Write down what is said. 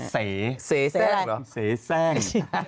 เสแส่งเหรอเสแส่ง